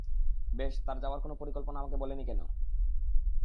বেশ, তার যাওয়ার কোন পরিকল্পনা আমাকে বলেনি ফোন?